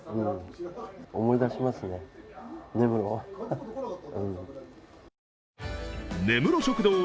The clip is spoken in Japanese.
思い出しますね、根室を。